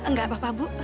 nggak apa apa bu